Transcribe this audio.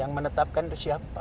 yang menetapkan itu siapa